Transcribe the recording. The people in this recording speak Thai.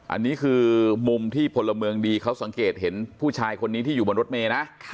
อันนี้คือมุมที่พลเมืองดีเขาสังเกตเห็นผู้ชายคนนี้ที่อยู่บนรถเมย์นะ